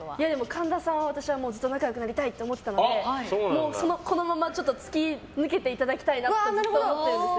神田さんは私はずっと仲良くなりたいと思ってたのでこのまま突き抜けていただきたいなって思ってるんです。